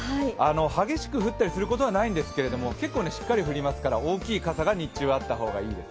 激しく降ったりすることはないんですけれども、結構しっかり降りますから大きめの傘があった方が日中はいいです。